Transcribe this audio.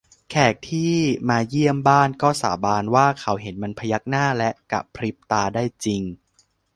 แขกที่มาเยี่ยมบ้านก็สาบานว่าเขาเห็นมันพยักหน้าและกะพริบตาได้จริง